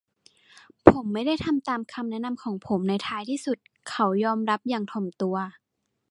ผมไม่ได้ทำตามคำแนะนำของผมในท้ายที่สุด เขายอมรับอย่างถ่อมตัว